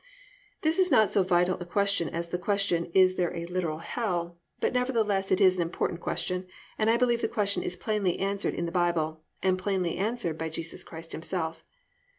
This is not so vital a question as the question, is there a literal hell, but nevertheless it is an important question, and I believe the question is plainly answered in the Bible, and plainly answered by Jesus Christ Himself.